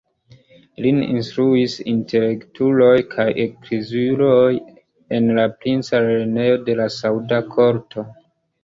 Lin instruis intelektuloj kaj ekleziuloj en la princa lernejo de la sauda korto.